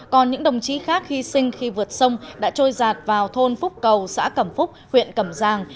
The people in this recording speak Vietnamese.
còn những đồng chí khác hy sinh khi vượt sông đã trôi giạt vào thôn phúc cầu xã cầm phúc huyện cầm giàng